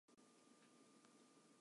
荻野貴司